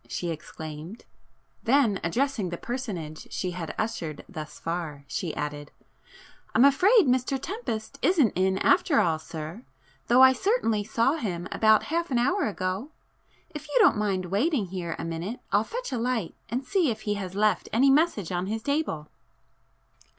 she exclaimed,—then addressing the personage she had ushered thus far, she added—"I'm afraid Mr Tempest isn't in after all, sir, though I certainly saw him about half an hour ago. If you don't mind waiting here a minute I'll fetch a light and see if he has left any message on his table."